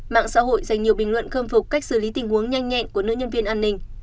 mạng xã hội dành nhiều bình luận khâm phục cách xử lý tình huống nhanh nhẹn của nữ nhân viên an ninh